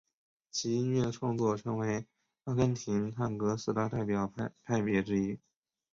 其音乐创作成为阿根廷探戈四大代表派别之一。